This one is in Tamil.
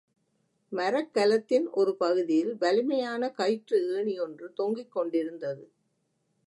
மரக்கலத்தின் ஒரு பகுதியில் வலிமையான கயிற்று ஏணி ஒன்று தொங்கிக் கொண்டிருந்தது.